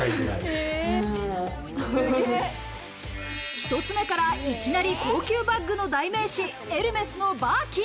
１つ目からいきなり高級バッグの代名詞、エルメスのバーキン。